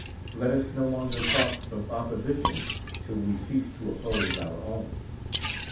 Let us no longer talk of opposition till we cease to oppose our own.